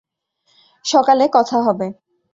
সকালে কথা হবে।